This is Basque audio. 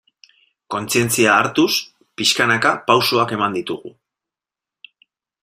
Kontzientzia hartuz, pixkanaka pausoak eman ditugu.